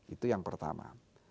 itu yang pertama